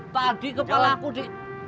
tadi kepala aku di